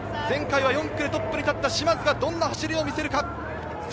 前回は４区でトップに立った嶋津がどんな走りを見せるか。